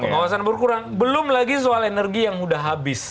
pengawasan berkurang belum lagi soal energi yang sudah habis